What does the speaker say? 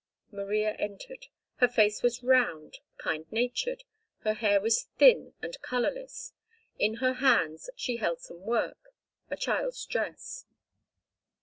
Maria entered. Her face was round, kind natured; her hair was thin and colourless. In her hands she held some work—a child's dress.